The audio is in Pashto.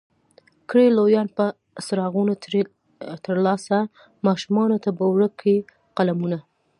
کړي لویان به څراغونه ترې ترلاسه، ماشومانو ته به ورکړي قلمونه